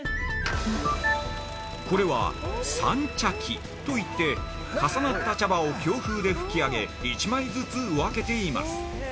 ◆これは散茶機といって重なった茶葉を強風で吹き上げ、１枚ずつ分けています。